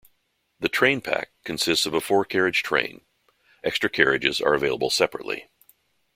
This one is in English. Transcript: The "train pack" consists of a four-carriage train; extra carriages are available separately.